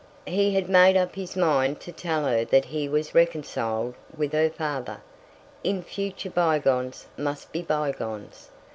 He had made up his mind to tell her that he was reconciled with her father. In future bygones must be bygones.